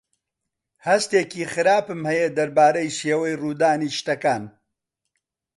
هەستێکی خراپم هەیە دەربارەی شێوەی ڕوودانی شتەکان.